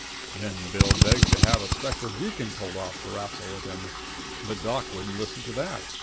Then Bill begged to have a special deacon told off to wrastle with him, but Doc wouldn't listen to that.